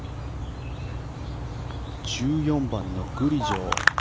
１４番のグリジョ